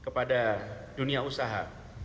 kepada dunia usaha